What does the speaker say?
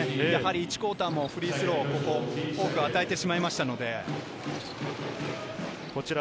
１クオーターもフリースローを多く与えてしまいましたから。